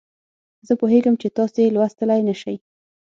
زه پوهیږم چې تاسې یې لوستلای نه شئ.